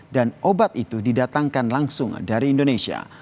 dan obat itu didatangkan langsung dari indonesia